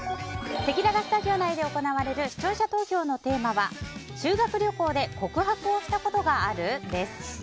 せきららスタジオ内で行われる視聴者投票のテーマは修学旅行で告白をしたことがある？です。